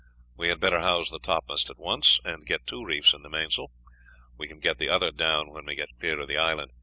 We had better house the topmast at once, and get two reefs in the mainsail. We can get the other down when we get clear of the island.